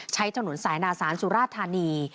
ใช้ถนนสายนาศาลสุราธานี